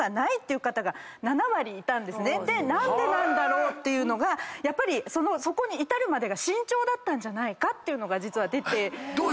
何でなんだろうっていうのがやっぱりそこに至るまでが慎重だったんじゃないかっていうのが出てるんです。